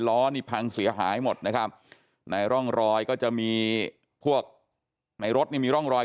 ล้อนี่พังเสียหายหมดนะครับในร่องรอยก็จะมีพวกในรถนี่มีร่องรอย